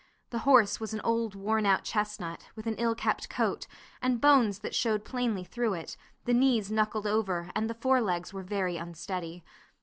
The horse was an old worn out chestnut, with an ill kept coat, and bones that showed plainly through it, the knees knuckled over, and the fore legs were very unsteady.